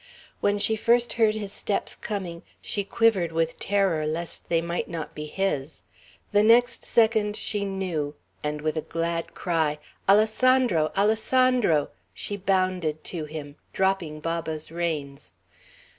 When she first heard his steps coming, she quivered with terror lest they might not be his. The next second she knew; and with a glad cry, "Alessandro! Alessandro!" she bounded to him, dropping Baba's reins.